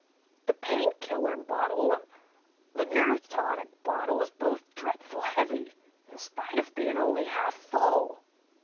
The pain killer bottle an' the nerve tonic bottle is both dretful heavy, in spite of bein' only half full."